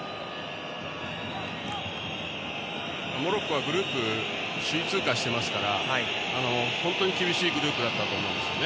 モロッコはグループ首位通過していますから本当に厳しいグループだったと思うんですね。